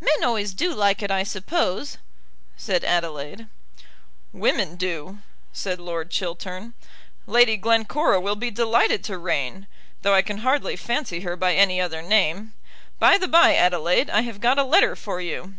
"Men always do like it, I suppose," said Adelaide. "Women do," said Lord Chiltern. "Lady Glencora will be delighted to reign, though I can hardly fancy her by any other name. By the bye, Adelaide, I have got a letter for you."